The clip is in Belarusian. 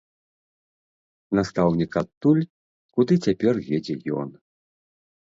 Настаўнік адтуль, куды цяпер едзе ён!